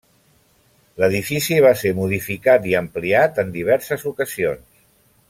L'edifici va ser modificat i ampliat en diverses ocasions.